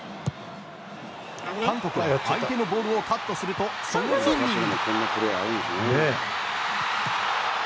韓国は相手のボールをカットするとソン・フンミン。